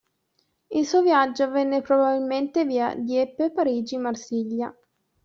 Il suo viaggio avvenne probabilmente via Dieppe-Parigi-Marsiglia.